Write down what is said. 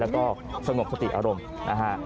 แล้วก็สงบสติอารมณ์นะฮะ